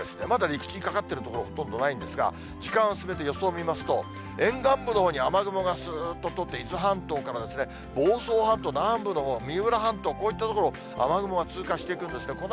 まだ陸地にかかってる所、ほとんどないんですが、時間を進めて予想を見ますと、沿岸部のほうに雨雲がすーっと通って、伊豆半島から房総半島南部のほう、三浦半島、こういった所、雨雲が通過していくんですね。